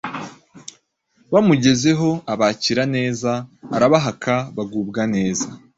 Bamugezeho abakira neza arabahaka, bagubwa neza